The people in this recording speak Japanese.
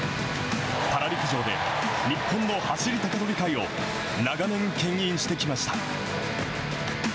パラ陸上で日本の走り高跳び界を長年、けん引してきました。